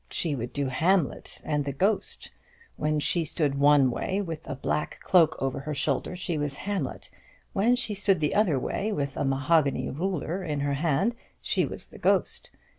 She would do Hamlet and the Ghost: when she stood one way, with a black cloak over her shoulder, she was Hamlet; when she stood the other way, with a mahogany ruler in her hand, she was the Ghost.